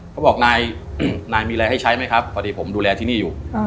เขาบอกนายนายมีอะไรให้ใช้ไหมครับพอดีผมดูแลที่นี่อยู่